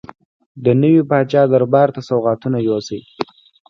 د نوي پاچا دربار ته سوغاتونه یوسي.